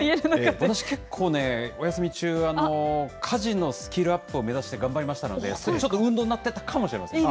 私、結構ね、お休み中は家事のスキルアップを目指して頑張りましたので、ちょっと運動になっいいですね。